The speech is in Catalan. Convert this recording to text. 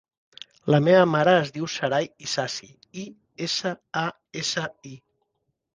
La meva mare es diu Saray Isasi: i, essa, a, essa, i.